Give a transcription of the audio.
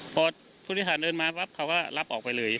พอพุทธวิสารเดินมาเขาก็รับออกไปเลย